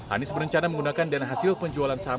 anies berencana menggunakan dana hasil penjualan saham